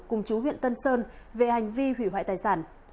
cùng chú huyện tân sơn về hành vi hủy hoại tài sản